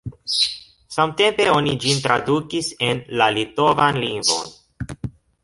Samtempe oni ĝin tradukis en la litovan lingvon.